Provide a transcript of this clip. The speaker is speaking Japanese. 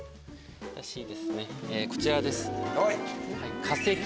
Ｃですねこちらです。